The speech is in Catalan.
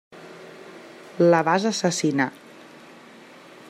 La vas assassinar.